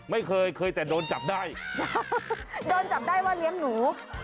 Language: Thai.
ไม่เคยโดนจับได้ว่าเลี้ยงหนู